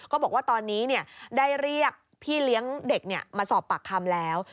บอกว่าตอนนี้ได้เรียกพี่เลี้ยงเด็กมาสอบปากคำแล้ว